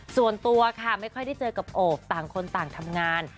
ส่วนตัวค่ะไม่ค่อยได้เจอกับโอบต่างคนต่างทำงาน